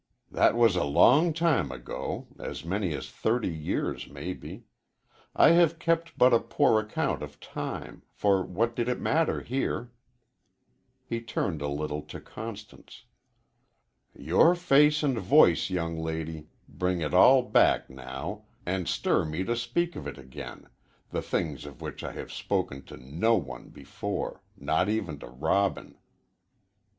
"That was a long time ago as many as thirty years, maybe. I have kept but a poor account of time, for what did it matter here?" He turned a little to Constance. "Your face and voice, young lady, bring it all back now, and stir me to speak of it again the things of which I have spoken to no one before not even to Robin."